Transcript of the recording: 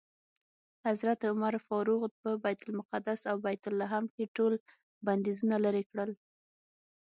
حضرت عمر فاروق په بیت المقدس او بیت لحم کې ټول بندیزونه لرې کړل.